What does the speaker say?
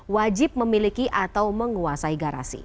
wajib memiliki atau menguasai garasi